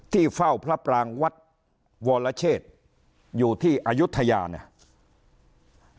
ที่เฝ้าพระปรางวัดวรเชษอยู่ที่อายุทยาเนี่ย